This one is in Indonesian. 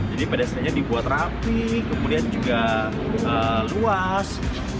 jadi pedestriannya dibuat rapi kemudian juga luas